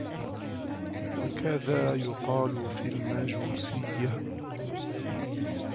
وَكَذَا يُقَالُ فِي الْمَجُوسِيَّةِ